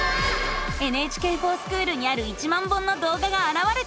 「ＮＨＫｆｏｒＳｃｈｏｏｌ」にある１万本のどうががあらわれたよ。